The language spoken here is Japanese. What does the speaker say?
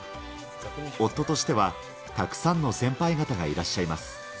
夫としてはたくさんの先輩方がいらっしゃいます。